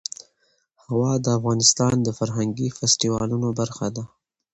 هوا د افغانستان د فرهنګي فستیوالونو برخه ده.